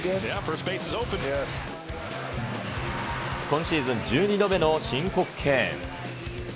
今シーズン１２度目の申告敬遠。